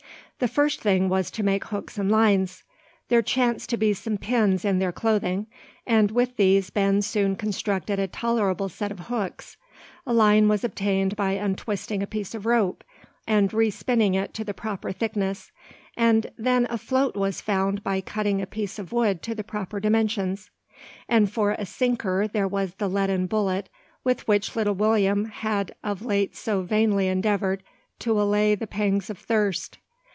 The first thing was to make hooks and lines. There chanced to be some pins in their clothing; and with these Ben soon constructed a tolerable set of hooks. A line was obtained by untwisting a piece of rope, and respinning it to the proper thickness; and then a float was found by cutting a piece of wood to the proper dimensions. And for a sinker there was the leaden bullet with which little William had of late so vainly endeavoured to allay the pangs of thirst.